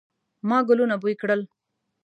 ما ګلونه بوی کړل